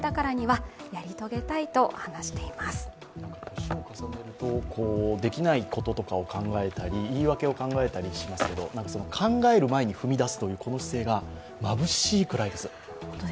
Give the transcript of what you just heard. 年を重ねるとできないこととかを考えたり、言い訳を考えたりしますけど考える前に踏み出すという姿勢がまぶしいくらいです。